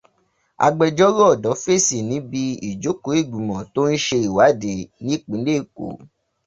Agbẹjọ́ro ọ̀dọ́ fèsì níbi ìjókòó ìgbìmọ̀ tó ń ṣe ìwádìí nìpínlẹ̀ Èkó